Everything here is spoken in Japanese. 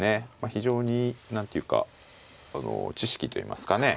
非常に何ていうか知識といいますかね